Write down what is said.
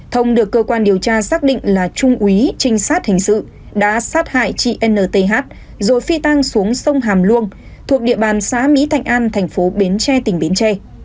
thông được cơ quan điều tra xác định là trung úy trinh sát hình sự đã sát hại chị nth rồi phi tăng xuống sông hàm luông thuộc địa bàn xã mỹ thạnh an thành phố bến tre tỉnh bến tre